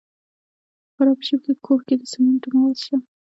د فراه په شیب کوه کې د سمنټو مواد شته.